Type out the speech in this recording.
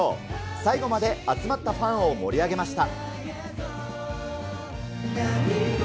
最後まで集まったファンを盛り上げました。